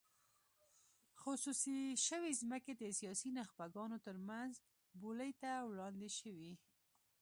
خصوصي شوې ځمکې د سیاسي نخبګانو ترمنځ بولۍ ته وړاندې شوې.